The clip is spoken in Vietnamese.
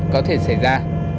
có thể xảy ra